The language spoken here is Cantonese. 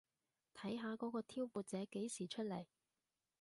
睇下嗰個挑撥者幾時出嚟